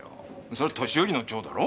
それ年寄りの蝶だろ？